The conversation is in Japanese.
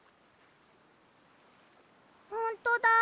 ほんとだ。